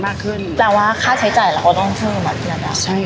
ไปรักษาเวลาได้รึไง